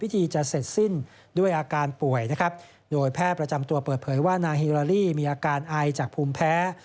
คิดว่านางฮิราลีมีอาการอายจากภูมิแพ้